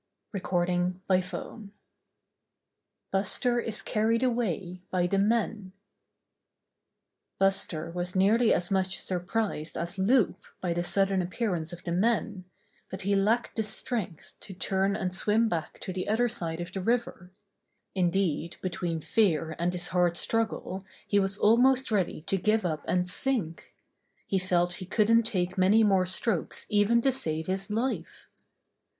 STORY IV Buster is Carried Away by the Men Buster was nearly as much surprised as Loup by the sudden appearance of the men, but he lacked the strength to turn and swim back to the other side of the river. Indeed, between fear and his hard struggle he was al most ready to give up and sink. He felt he couldn't take many more strokes even to save his life.